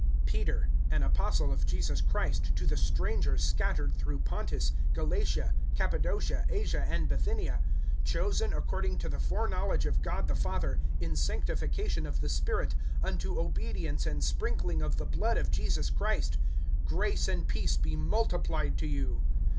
PETER, an apostle of Jesus Christ, to the strangers scattered[1:1] through Pontus, Galatia, Cappadocia, Asia, and Bithynia; (2)chosen according to the foreknowledge of God the Father, in sanctification of the Spirit, unto obedience and sprinkling of the blood of Jesus Christ: Grace and peace be multiplied to you.